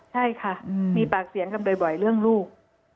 ใช่ค่ะมีปากเสียงกันบ่อยเรื่องลูก